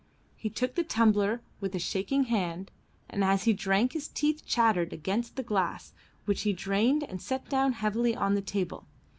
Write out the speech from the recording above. He took the tumbler with a shaking hand, and as he drank his teeth chattered against the glass which he drained and set down heavily on the table.